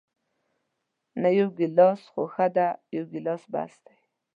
نه، یو ګیلاس خو ښه دی، یو ګیلاس بس دی.